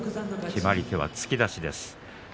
決まり手は突き出しです。